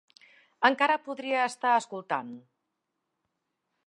Encara podria estar escoltant.